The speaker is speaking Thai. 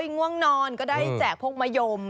ง่วงนอนก็ได้แจกพวกมะยม